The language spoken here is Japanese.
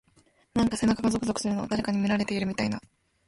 なんか背中がゾクゾクするの。誰かに見られてるみたいな…。